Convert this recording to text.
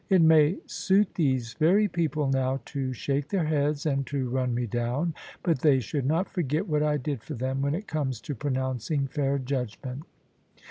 It may suit these very people now to shake their heads and to run me down, but they should not forget what I did for them, when it comes to pronouncing fair judgment.